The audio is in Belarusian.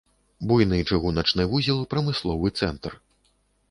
Буйны чыгуначны вузел, прамысловы цэнтр.